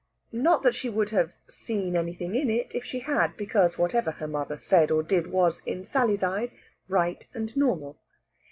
Not that she would have "seen anything in it" if she had, because, whatever her mother said or did was, in Sally's eyes, right and normal.